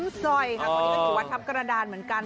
อันนี้ถือวัดทับกรดารเหมือนกัน